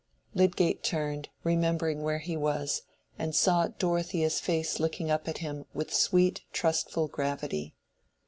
Lydgate turned, remembering where he was, and saw Dorothea's face looking up at him with a sweet trustful gravity.